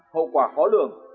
hậu quả khó lường